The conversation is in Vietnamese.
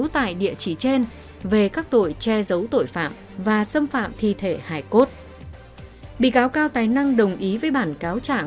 tại đường tuệ tĩnh kéo dài thành phố hải dương cho thấy